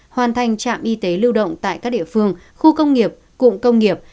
hoàn thành trạm y tế lưu động tại các địa phương khu công nghiệp cụm công nghiệp